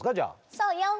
そうよん。